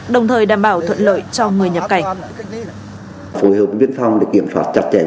đồng thời đảm bảo thuận lợi cho người nhập cảnh